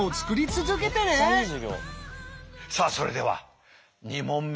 さあそれでは２問目。